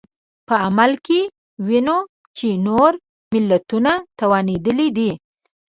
په عمل کې وینو چې نور ملتونه توانېدلي دي.